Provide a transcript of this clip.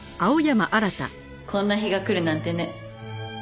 こんな日が来るなんてね。